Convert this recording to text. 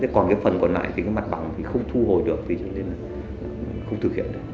còn cái phần còn lại thì cái mặt bằng thì không thu hồi được thì chẳng thể là không thực hiện được